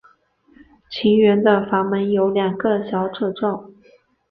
前缘的阀门有两个小皱褶。